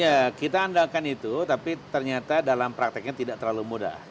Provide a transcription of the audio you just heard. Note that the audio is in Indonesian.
ya kita andalkan itu tapi ternyata dalam prakteknya tidak terlalu mudah